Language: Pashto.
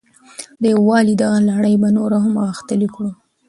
د یووالي دغه لړۍ به نوره هم غښتلې کړو.